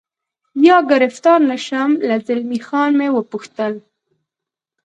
یا ګرفتار نه شم، له زلمی خان مې و پوښتل.